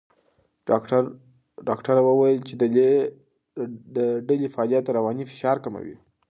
ډاکټره وویل چې د ډلې فعالیت رواني فشار کموي.